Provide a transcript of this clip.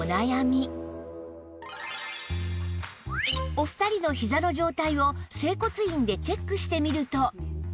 お二人のひざの状態を整骨院でチェックしてみると